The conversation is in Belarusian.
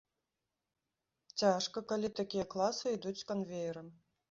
Цяжка, калі такія класы ідуць канвеерам.